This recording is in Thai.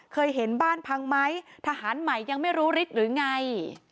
เคยเห็นบ้านพังไหมทหารใหม่ยังไม่รู้ฤทธิ์หรือไง